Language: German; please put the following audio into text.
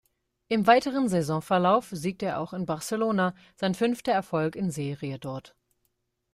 Im weiteren Saisonverlauf siegte er auch in Barcelona, sein fünfter Erfolg in Serie dort.